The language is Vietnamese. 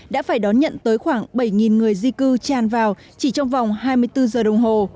đã phải đón nhận tới khoảng bảy người di cư tràn vào chỉ trong vòng hai mươi bốn giờ đồng hồ